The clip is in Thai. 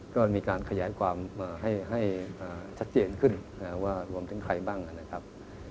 ก็มีการขยายความให้ชัดเจนขึ้นว่ารวมถึงใครบ้างนะครับ